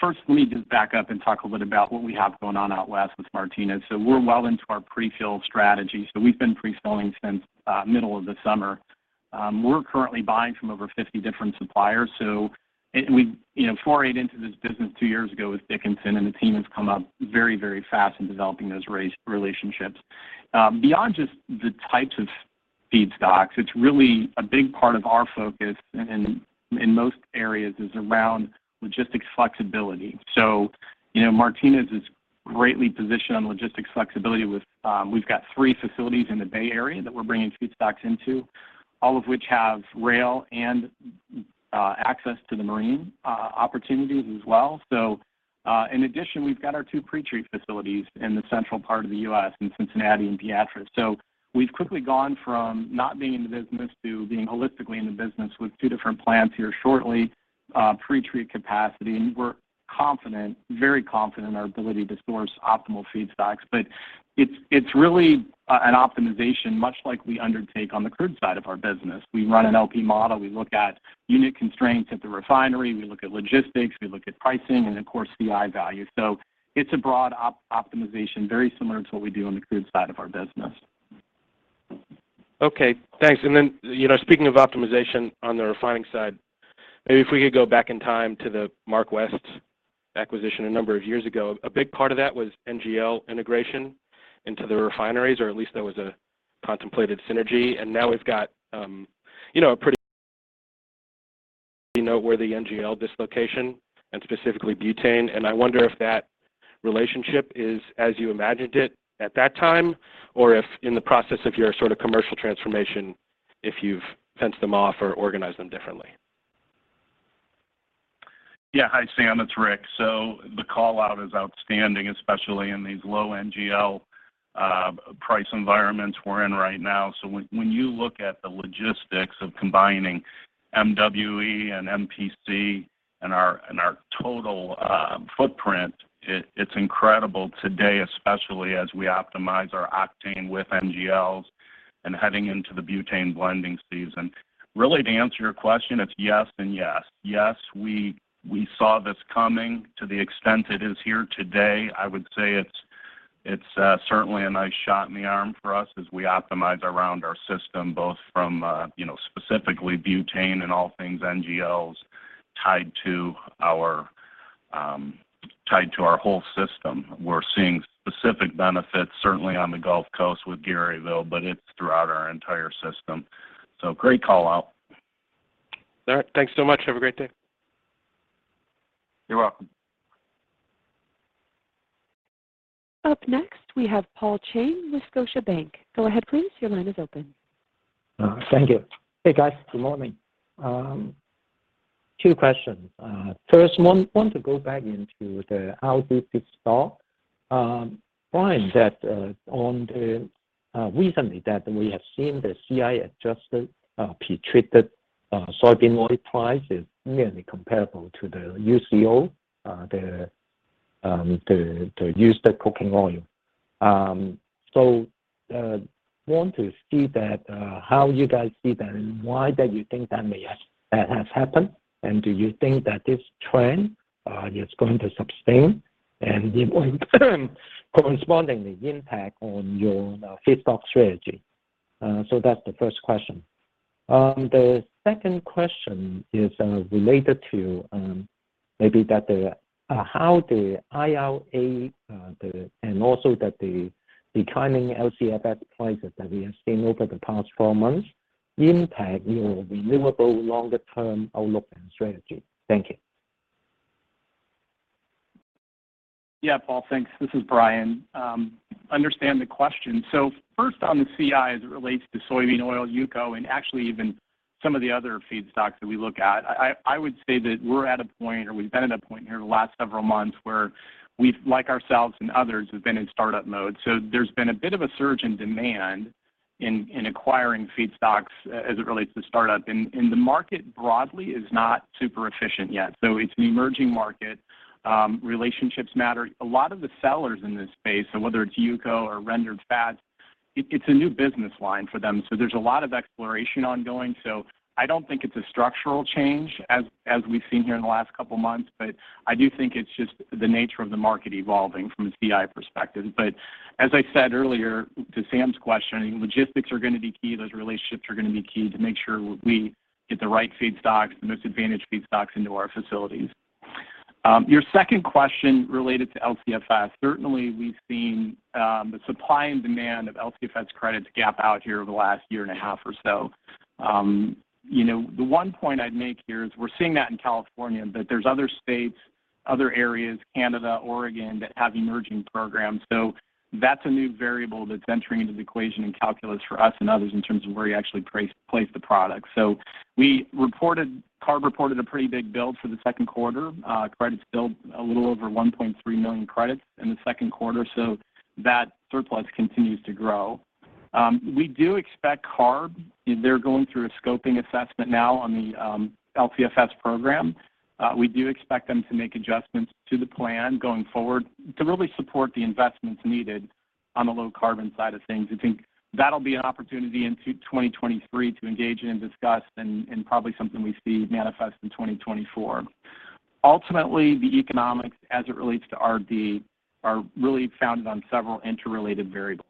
first let me just back up and talk a little bit about what we have going on out west with Martinez. We're well into our pre-fill strategy, so we've been pre-selling since middle of the summer. We're currently buying from over 50 different suppliers. We, you know, forayed into this business two years ago with Dickinson and the team has come up very, very fast in developing those relationships. Beyond just the types of feedstocks, it's really a big part of our focus in most areas is around logistics flexibility. You know, Martinez is greatly positioned on logistics flexibility with, we've got three facilities in the Bay Area that we're bringing feedstocks into, all of which have rail and access to the marine opportunities as well. In addition, we've got our two pretreat facilities in the central part of the U.S. in Cincinnati and Beatrice. We've quickly gone from not being in the business to being holistically in the business with two different plants here shortly, pretreat capacity, and we're confident, very confident in our ability to source optimal feedstocks. But it's really an optimization, much like we undertake on the crude side of our business. We run an LP model. We look at unit constraints at the refinery, we look at logistics, we look at pricing, and of course, CI value. It's a broad optimization, very similar to what we do on the crude side of our business. Okay, thanks. Then, you know, speaking of optimization on the refining side, maybe if we could go back in time to the MarkWest acquisition a number of years ago. A big part of that was NGL integration into the refineries, or at least there was a contemplated synergy. Now we've got, you know, a pretty noteworthy NGL dislocation and specifically butane. I wonder if that relationship is as you imagined it at that time, or if in the process of your sort of commercial transformation, if you've fenced them off or organized them differently. Yeah. Hi, Sam. It's Rick. The call-out is outstanding, especially in these low NGL price environments we're in right now. When you look at the logistics of combining MWE and MPC and our and our total footprint, it's incredible today, especially as we optimize our octane with NGLs and heading into the butane blending season. Really, to answer your question, it's yes and yes. Yes, we saw this coming to the extent it is here today. I would say it's certainly a nice shot in the arm for us as we optimize around our system, both from you know, specifically butane and all things NGLs tied to our whole system. We're seeing specific benefits, certainly on the Gulf Coast with Garyville, but it's throughout our entire system. Great call out. All right. Thanks so much. Have a great day. You're welcome. Up next, we have Paul Cheng with Scotiabank. Go ahead, please. Your line is open. Thank you. Hey, guys. Good morning. Two questions. First one, I want to go back to RD feedstock. I find that recently we have seen the CI-adjusted pretreated soybean oil price is nearly comparable to the UCO, the used cooking oil. Want to see how you guys see that and why you think that has happened? Do you think that this trend is going to sustain and the corresponding impact on your feedstock strategy? That's the first question. The second question is related to how the IRA and also the declining LCFS prices that we have seen over the past four months impact your renewable longer-term outlook and strategy. Thank you. Yeah, Paul, thanks. This is Brian. Understand the question. First on the CI as it relates to soybean oil, UCO, and actually even some of the other feedstocks that we look at, I would say that we're at a point or we've been at a point here the last several months where we've, like ourselves and others, have been in startup mode. There's been a bit of a surge in demand in acquiring feedstocks as it relates to startup. The market broadly is not super efficient yet. It's an emerging market. Relationships matter. A lot of the sellers in this space, so whether it's UCO or rendered fats, it's a new business line for them. There's a lot of exploration ongoing. I don't think it's a structural change as we've seen here in the last couple of months, but I do think it's just the nature of the market evolving from a CI perspective. As I said earlier to Sam's question, logistics are gonna be key. Those relationships are gonna be key to make sure we get the right feedstocks, the most advantaged feedstocks into our facilities. Your second question related to LCFS. Certainly, we've seen the supply and demand of LCFS credits gap out here over the last year and a half or so. You know, the one point I'd make here is we're seeing that in California, but there's other states, other areas, Canada, Oregon, that have emerging programs. That's a new variable that's entering into the equation and calculus for us and others in terms of where you actually place the product. CARB reported a pretty big build for the second quarter. Credits built a little over 1.3 million credits in the second quarter. That surplus continues to grow. We do expect CARB. They're going through a scoping assessment now on the LCFS program. We do expect them to make adjustments to the plan going forward to really support the investments needed on the low carbon side of things. I think that'll be an opportunity into 2023 to engage in and discuss and probably something we see manifest in 2024. Ultimately, the economics as it relates to RD are really founded on several interrelated variables.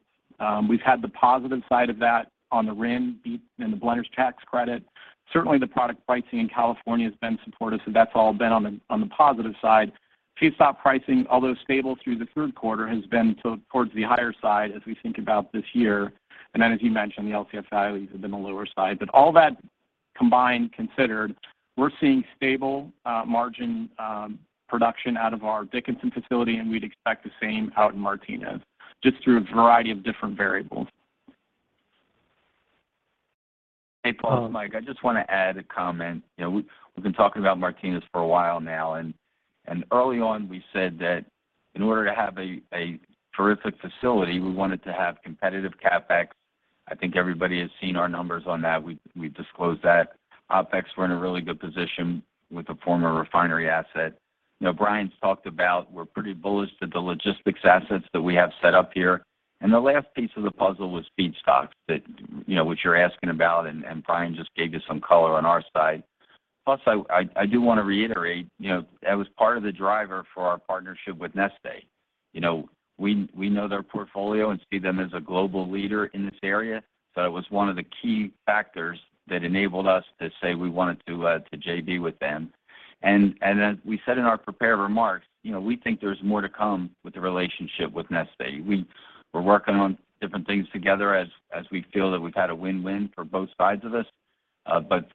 We've had the positive side of that on the RIN beat and the blenders tax credit. Certainly, the product pricing in California has been supportive, so that's all been on the positive side. Feedstock pricing, although stable through the third quarter, has been towards the higher side as we think about this year. As you mentioned, the LCFS values have been on the lower side. All that combined considered, we're seeing stable margin production out of our Dickinson facility, and we'd expect the same out in Martinez just through a variety of different variables. Hey, Paul, Mike, I just wanna add a comment. You know, we've been talking about Martinez for a while now, and early on we said that in order to have a terrific facility, we wanted to have competitive CapEx. I think everybody has seen our numbers on that. We disclosed that. OpEx, we're in a really good position with the former refinery asset. You know, Brian's talked about we're pretty bullish that the logistics assets that we have set up here. The last piece of the puzzle was feedstock that, you know, what you're asking about, and Brian just gave you some color on our side. Plus I do wanna reiterate, you know, that was part of the driver for our partnership with Neste. You know, we know their portfolio and see them as a global leader in this area. It was one of the key factors that enabled us to say we wanted to JV with them. As we said in our prepared remarks, you know, we think there's more to come with the relationship with Neste. We're working on different things together as we feel that we've had a win-win for both sides of this.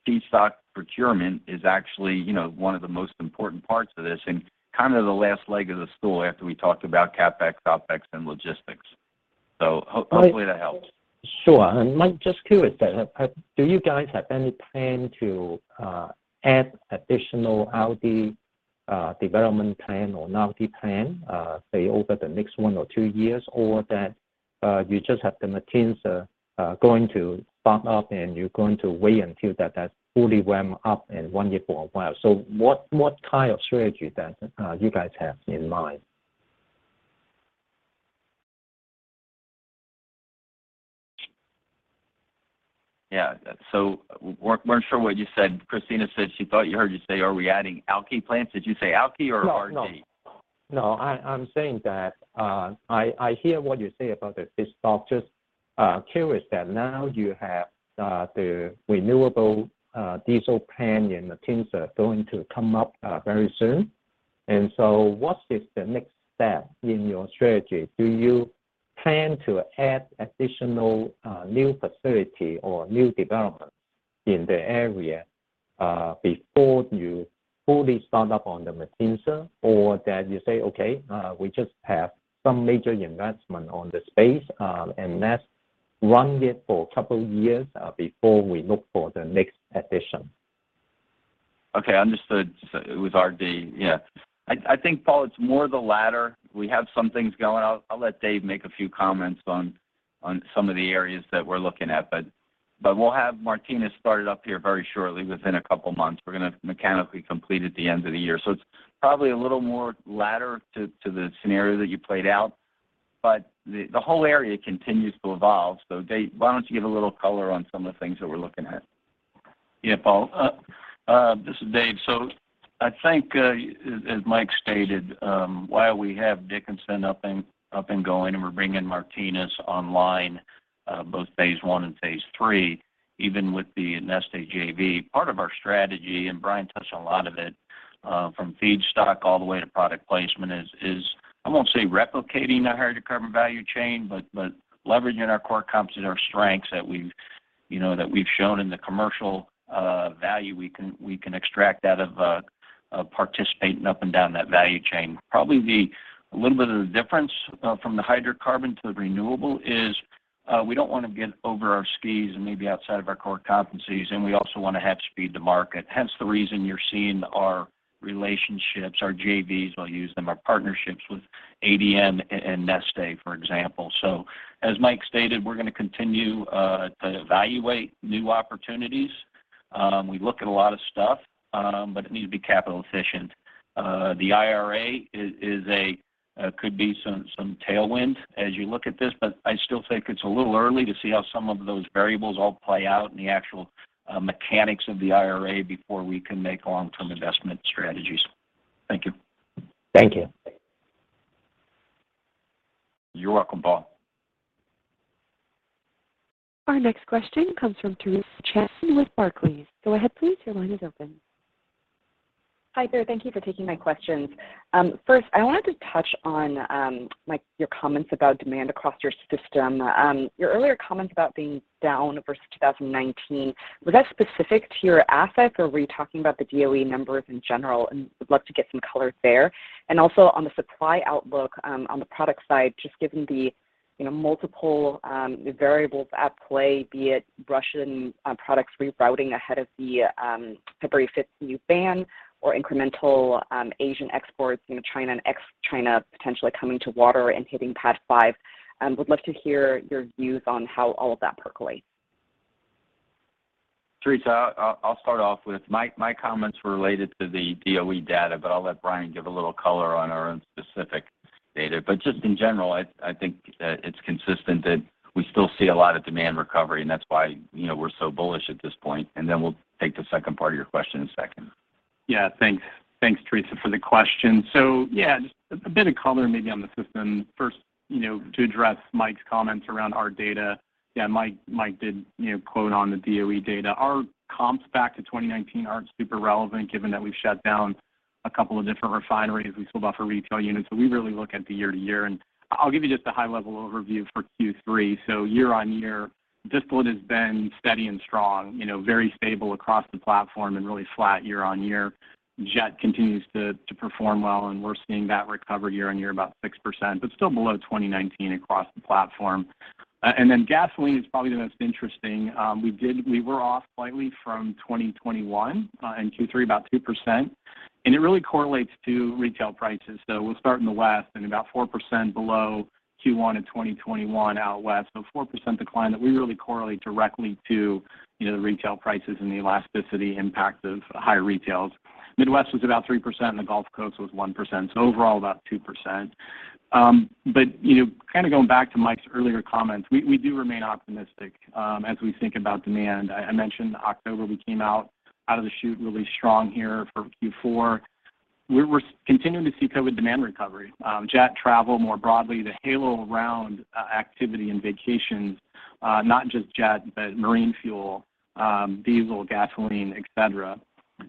Feedstock procurement is actually, you know, one of the most important parts of this and kind of the last leg of the stool after we talked about CapEx, OpEx, and logistics. Hopefully. I- That helps. Sure. Mike, just curious then, do you guys have any plan to add additional RD development plan or an RD plan, say, over the next one or two years? Or that you just have the Martinez going to start up and you're going to wait until that has fully ramp up and run it for a while. What kind of strategy that you guys have in mind? Yeah. We weren't sure what you said. Kristina said she thought you heard you say are we adding alky plants. Did you say alky or RD? No. I'm saying that I hear what you say about the feedstock. Just curious that now you have the renewable diesel plan in Martinez that's going to come up very soon. What is the next step in your strategy? Do you plan to add additional new facility or new development in the area before you fully start up on the Martinez? Or that you say, "Okay, we just have some major investment on the space, and let's run it for a couple years before we look for the next addition"? Okay, understood. It was RD. Yeah. I think, Paul, it's more the latter. We have some things going. I'll let Dave make a few comments on some of the areas that we're looking at. We'll have Martinez started up here very shortly, within a couple months. We're gonna mechanically complete at the end of the year. It's probably a little more latter to the scenario that you played out. The whole area continues to evolve. Dave, why don't you give a little color on some of the things that we're looking at? Yeah, Paul. This is Dave. I think, as Mike stated, while we have Dickinson up and going and we're bringing Martinez online, both phase one and phase three, even with the Neste JV, part of our strategy, and Brian touched on a lot of it, from feedstock all the way to product placement is I won't say replicating the hydrocarbon value chain, but leveraging our core competence, our strengths that we've, you know, that we've shown in the commercial value we can extract out of participating up and down that value chain. Probably a little bit of the difference from the hydrocarbon to the renewable is we don't wanna get over our skis and maybe outside of our core competencies, and we also wanna have speed to market. Hence the reason you're seeing our relationships, our JVs, I'll use them, our partnerships with ADM and Neste, for example. As Mike stated, we're gonna continue to evaluate new opportunities. We look at a lot of stuff, but it needs to be capital efficient. The IRA is a could be some tailwind as you look at this, but I still think it's a little early to see how some of those variables all play out and the actual mechanics of the IRA before we can make long-term investment strategies. Thank you. Thank you. You're welcome, Paul. Our next question comes from Theresa Chen with Barclays. Go ahead please, your line is open. Hi there. Thank you for taking my questions. First, I wanted to touch on, like, your comments about demand across your system. Your earlier comments about being down versus 2019, was that specific to your assets or were you talking about the DOE numbers in general? Would love to get some color there. Also on the supply outlook, on the product side, just given the, you know, multiple, variables at play, be it Russian, products rerouting ahead of the, February 5 EU ban or incremental, Asian exports, you know, China and ex-China potentially coming to water and hitting PADD 5, would love to hear your views on how all of that percolates. Theresa, I'll start off with my comments related to the DOE data, but I'll let Brian give a little color on our own specific data. Just in general, I think that it's consistent that we still see a lot of demand recovery and that's why, you know, we're so bullish at this point. Then we'll take the second part of your question in a second. Yeah. Thanks, Theresa, for the question. Yeah, just a bit of color maybe on the system. First, you know, to address Mike's comments around our data, yeah, Mike did, you know, quote on the DOE data. Our comps back to 2019 aren't super relevant given that we've shut down a couple of different refineries and sold off our retail units. We really look at the year-to-year. I'll give you just a high-level overview for Q3. Year-on-year, distillate has been steady and strong. You know, very stable across the platform and really flat year-on-year. Jet continues to perform well, and we're seeing that recover year-on-year about 6%, but still below 2019 across the platform. Gasoline is probably the most interesting. We were off slightly from 2021 in Q3 about 2%. It really correlates to retail prices. We'll start in the West, and about 4% below Q1 in 2021 out west. 4% decline that we really correlate directly to, you know, the retail prices and the elasticity impact of higher retail. Midwest was about 3% and the Gulf Coast was 1%, so overall about 2%. You know, kind of going back to Mike's earlier comments, we do remain optimistic as we think about demand. I mentioned October we came out of the chute really strong here for Q4. We're continuing to see COVID demand recovery. Jet travel more broadly, the halo around activity and vacations, not just jet, but marine fuel, diesel, gasoline, et cetera.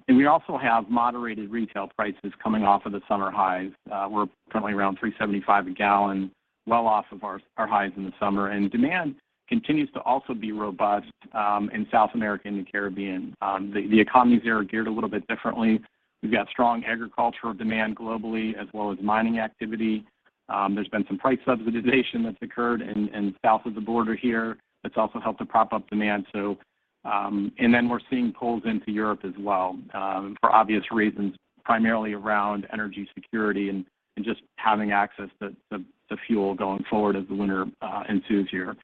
We also have moderated retail prices coming off of the summer highs. We're currently around $3.75 a gallon, well off of our highs in the summer. Demand continues to also be robust in South America and the Caribbean. The economies there are geared a little bit differently. We've got strong agricultural demand globally as well as mining activity. There's been some price subsidization that's occurred in south of the border here that's also helped to prop up demand. Then we're seeing pulls into Europe as well for obvious reasons, primarily around energy security and just having access to the fuel going forward as the winter ensues here.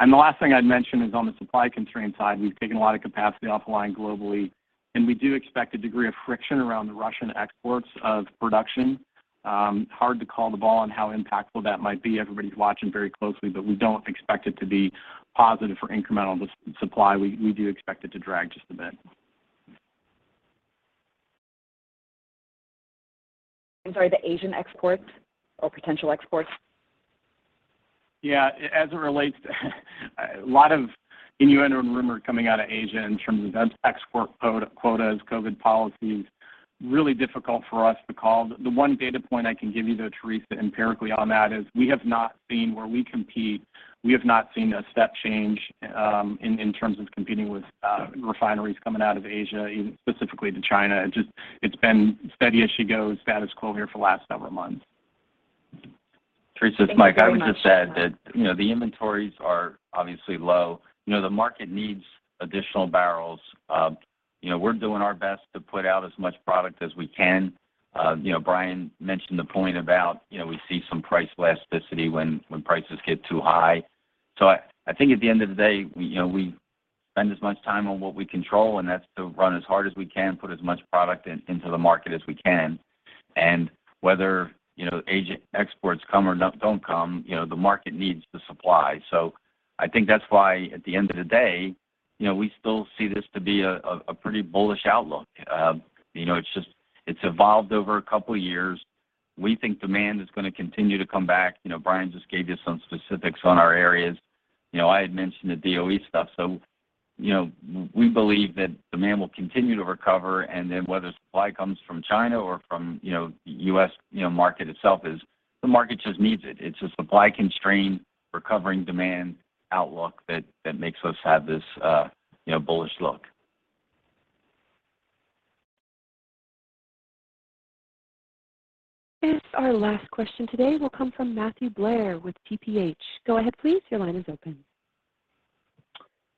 The last thing I'd mention is on the supply constraint side, we've taken a lot of capacity off the line globally, and we do expect a degree of friction around the Russian exports of production. Hard to call the ball on how impactful that might be. Everybody's watching very closely, but we don't expect it to be positive for incremental supply. We do expect it to drag just a bit. I'm sorry, the Asian exports or potential exports? Yeah. As it relates to a lot of innuendo and rumor coming out of Asia in terms of export quotas, COVID policies. Really difficult for us to call. The one data point I can give you though, Theresa, empirically on that is we have not seen, where we compete, a step change in terms of competing with refineries coming out of Asia, specifically to China. It's been steady as she goes, status quo here for the last several months. Thank you very much. Theresa, it's Mike. I would just add that, you know, the inventories are obviously low. You know, the market needs additional barrels. You know, we're doing our best to put out as much product as we can. You know, Brian mentioned the point about, you know, we see some price elasticity when prices get too high. I think at the end of the day, we, you know, we spend as much time on what we control, and that's to run as hard as we can, put as much product into the market as we can. Whether, you know, Asian exports come or don't come, you know, the market needs the supply. I think that's why at the end of the day, you know, we still see this to be a pretty bullish outlook. You know, it's just, it's evolved over a couple years. We think demand is gonna continue to come back. You know, Brian just gave you some specifics on our areas. You know, I had mentioned the DOE stuff, so you know, we believe that demand will continue to recover and then whether supply comes from China or from, you know, U.S., you know, market itself is the market just needs it. It's a supply constraint, recovering demand outlook that makes us have this, you know, bullish look. This is our last question today. Will come from Matthew Blair with TPH. Go ahead please. Your line is open.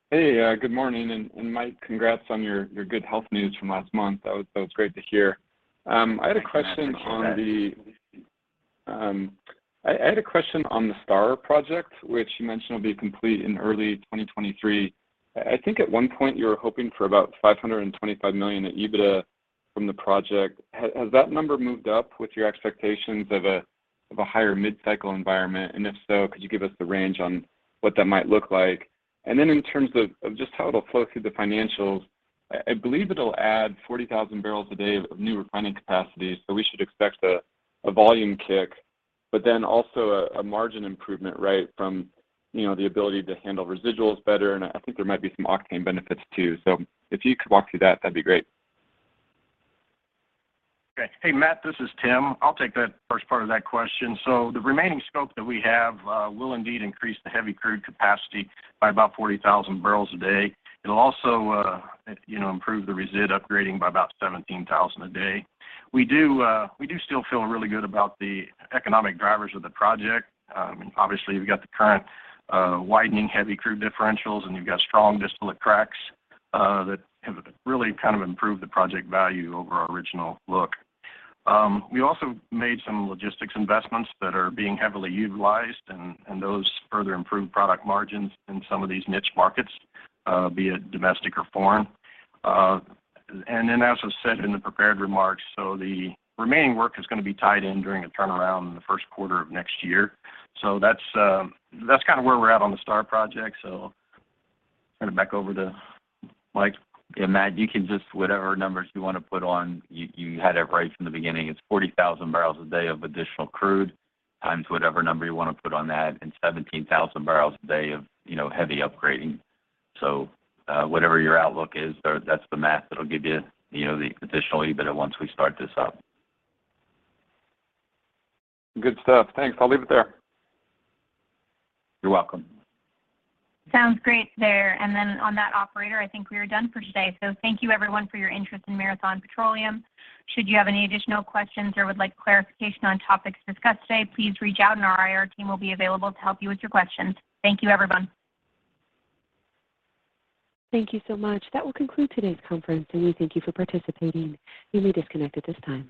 Hey. Good morning. Mike, congrats on your good health news from last month. That was great to hear. I had a question on the STAR project, which you mentioned will be complete in early 2023. I think at one point you were hoping for about $525 million in EBITDA from the project. Has that number moved up with your expectations of a higher mid-cycle environment? If so, could you give us the range on what that might look like? Then in terms of just how it'll flow through the financials, I believe it'll add 40,000 barrels a day of new refining capacity, so we should expect a volume kick, but then also a margin improvement, right, from you know, the ability to handle residuals better, and I think there might be some octane benefits too. If you could walk through that'd be great. Okay. Hey, Matt, this is Tim. I'll take the first part of that question. The remaining scope that we have will indeed increase the heavy crude capacity by about 40,000 barrels a day. It'll also, you know, improve the resid upgrading by about 17,000 a day. We do still feel really good about the economic drivers of the project. Obviously you've got the current widening heavy crude differentials, and you've got strong distillate cracks that have really kind of improved the project value over our original look. We also made some logistics investments that are being heavily utilized, and those further improve product margins in some of these niche markets, be it domestic or foreign. As was said in the prepared remarks, the remaining work is gonna be tied in during a turnaround in the first quarter of next year. That's kind of where we're at on the STAR project. Turn it back over to Mike. Yeah, Matt, you can just, whatever numbers you wanna put on, you had it right from the beginning. It's 40,000 barrels a day of additional crude times whatever number you wanna put on that and 17,000 barrels a day of, you know, heavy upgrading. Whatever your outlook is, there, that's the math that'll give you know, the additional EBITDA once we start this up. Good stuff. Thanks. I'll leave it there. You're welcome. Sounds great there. On that, operator, I think we are done for today. Thank you everyone for your interest in Marathon Petroleum. Should you have any additional questions or would like clarification on topics discussed today, please reach out, and our IR team will be available to help you with your questions. Thank you, everyone. Thank you so much. That will conclude today's conference, and we thank you for participating. You may disconnect at this time.